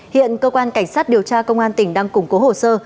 hiện cơ quan cảnh sát điều tra công an tỉnh đang củng cố hồ sơ